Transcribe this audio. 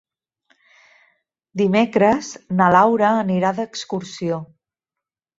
Dimecres na Laura anirà d'excursió.